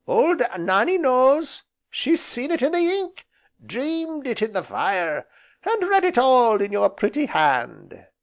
Old Nannie knows, she's seen it in the ink, dreamed it in the fire, and read it all in your pretty hand.